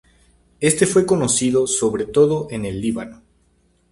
Éste fue conocido sobre todo en el Líbano.